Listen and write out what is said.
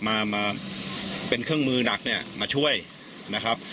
มามาเป็นเครื่องมือหนักเนี่ยมาช่วยนะครับ